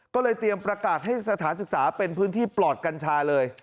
ก็เลยเตรียมประกาศให้สถานศึกษาเป็นพื้นที่ปลอดกัญชาเลย